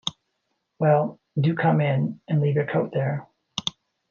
Well, do come in, and leave your coat there.